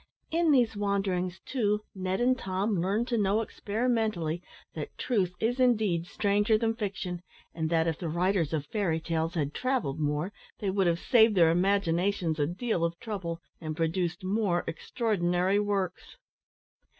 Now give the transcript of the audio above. In these wanderings, too, Ned and Tom learned to know experimentally that truth is indeed stranger than fiction, and that if the writers of fairy tales had travelled more they would have saved their imaginations a deal of trouble, and produced more extraordinary works.